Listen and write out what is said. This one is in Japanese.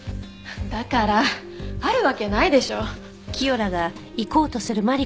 だからあるわけないでしょ。